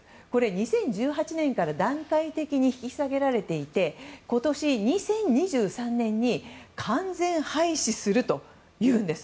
２０１８年から段階的に引き下げられていて今年、２０２３年に完全廃止するというんです。